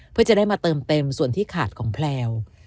เพื่อจะได้มาเติมเต็มส่วนที่ขาดของแพลว